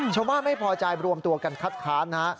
ชาวบ้านไม่พอใจรวมตัวกันคัดค้านนะฮะ